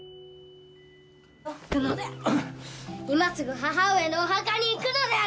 今すぐ母上のお墓に行くのである！